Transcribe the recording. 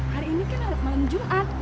hari ini kan ada malam jumat